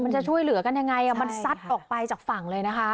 จะช่วยเหลือกันยังไงมันซัดออกไปจากฝั่งเลยนะคะ